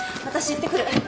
私行ってくる。